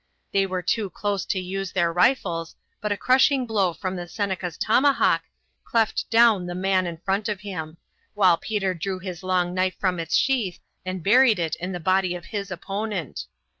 They were too close to use their rifles, but a crushing blow from the Seneca's tomahawk cleft down the man in front of him, while Peter drew his long knife from its sheath and buried it in the body of his opponent.